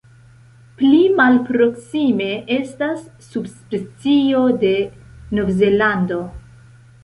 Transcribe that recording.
Pli malproksime estas subspecio de Novzelando.